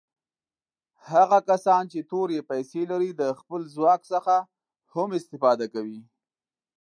هغه کسان چې تورې پیسي لري د خپل ځواک څخه هم استفاده کوي.